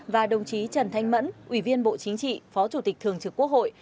và đồng chí trần thanh mẫn ủy viên bộ chính trị phó chủ tịch thường trực quốc hội